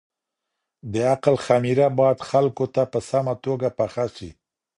د عقل خميره بايد خلګو ته په سمه توګه پخه سي.